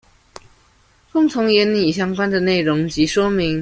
共同研議相關的內容及說明